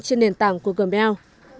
trên nền tảng của gmail